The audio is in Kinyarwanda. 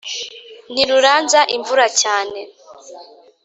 ntiruranza imvura cyane